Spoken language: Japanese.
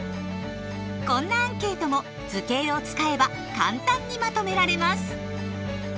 こんなアンケートも図形を使えば簡単にまとめられます。